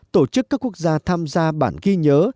tổ chức các quốc gia tham gia bản ghi nhớ